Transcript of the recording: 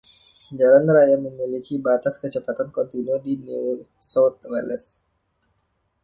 Jalan raya memiliki batas kecepatan kontinu di New South Wales.